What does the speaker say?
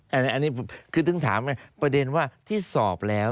อันนี้คือถึงถามไงประเด็นว่าที่สอบแล้ว